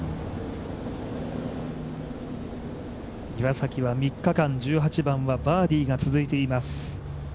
岩崎は３日間１８番はバーディーが続いています。